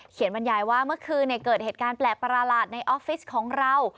บรรยายว่าเมื่อคืนเกิดเหตุการณ์แปลกประหลาดในออฟฟิศของเรา